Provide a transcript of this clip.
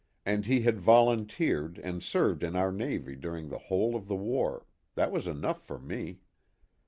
And he had volunteered and served in our Navy during the whole of the war that was enough for me.